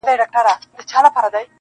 هم له وره یې د فقیر سیوری شړلی -